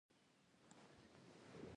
دا برخلیک د هغه له کنټرول څخه وتلی وي.